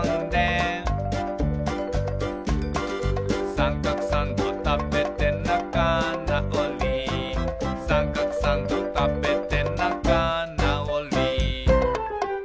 「さんかくサンドたべてなかなおり」「さんかくサンドたべてなかなおり」